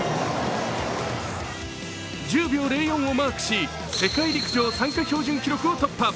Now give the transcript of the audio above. １０秒０４をマークし世界陸上参加標準記録を突破。